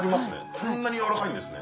こんなに軟らかいんですね。